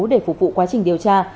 để phục vụ quá trình điều tra